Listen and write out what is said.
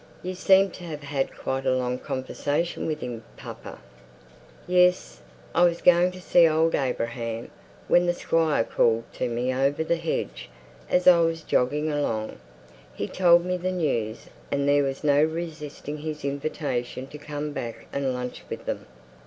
"You seem to have had quite a long conversation with him, papa!" "Yes. I was going to see old Abraham, when the Squire called to me over the hedge, as I was jogging along. He told me the news; and there was no resisting his invitation to come back and lunch with them.